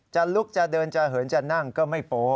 จะลุกจะเดินจะเหินจะนั่งก็ไม่โป๊